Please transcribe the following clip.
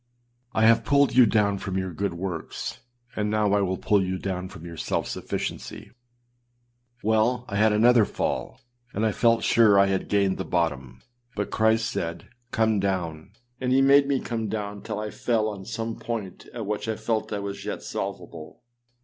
I have pulled you down from your good works, and now I will pull you down from your self sufficiency.â Well, I had another fall, and I felt sure I had gained the bottom, but Christ said âCome down!â and he made me come down till I fell on some point at which I felt I was yet salvable.